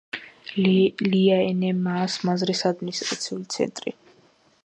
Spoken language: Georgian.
ლიაენემაას მაზრის ადმინისტრაციული ცენტრი.